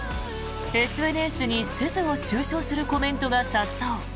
ＳＮＳに鈴を中傷するコメントが殺到。